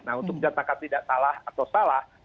nah untuk menyatakan tidak salah atau salah